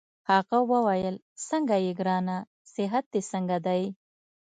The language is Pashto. هغه وویل: څنګه يې ګرانه؟ صحت دي څنګه دی؟